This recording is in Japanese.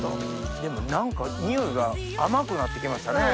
でも何か匂いが甘くなって来ましたね。